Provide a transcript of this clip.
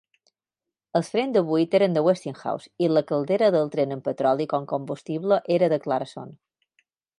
Els frens de buit eren de Westinghouse, i la caldera del tren amb petroli com combustible era de Clarkson.